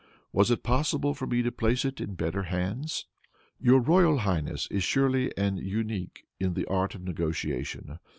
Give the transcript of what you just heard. Was it possible for me to place it in better hands? "Your royal highness is surely an unique in the art of negotiation.